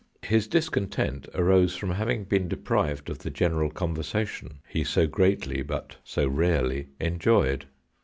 His discontent arose from having been deprived of the general conver sation he so greatly, but so rarely, enjoyed.